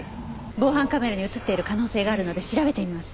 防犯カメラに映っている可能性があるので調べてみます。